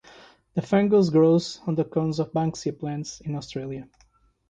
The fungus grows on the cones of "Banksia" plants in Australia.